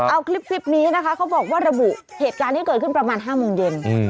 เอาคลิปนี้นะคะเขาบอกว่าระบุเหตุการณ์ที่เกิดขึ้นประมาณ๕โมงเย็น